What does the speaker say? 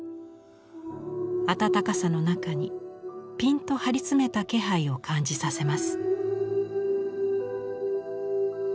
温かさの中にピンと張り詰めた気配を感じさせます。